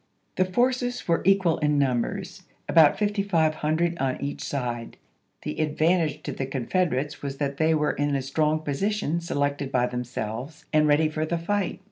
The forces were equal in numbers, about 5500 on each side ; the advantage to the Confederates was that they were in a strong position selected by themselves and ready for the fight.